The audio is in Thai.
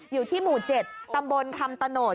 อยู่ที่หมู่๗ตำบลคำตโนธ